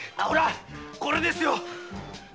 これですよ。